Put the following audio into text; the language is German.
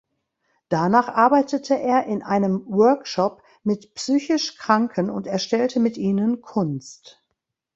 Danach arbeitete er in einem Workshop mit psychisch Kranken und erstellte mit ihnen Kunst.